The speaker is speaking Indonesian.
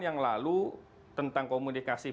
yang lalu tentang komunikasi